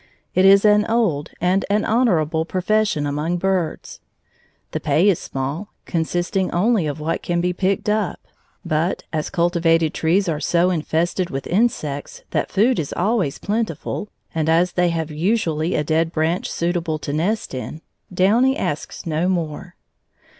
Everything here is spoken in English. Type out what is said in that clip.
It is an old and an honorable profession among birds. The pay is small, consisting only of what can be picked up, but, as cultivated trees are so infested with insects that food is always plentiful, and as they have usually a dead branch suitable to nest in, Downy asks no more.